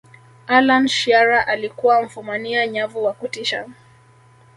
allan shearer alikuwa mfumania nyavu wa kutisha